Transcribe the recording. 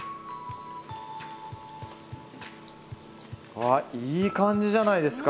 あいい感じじゃないですか！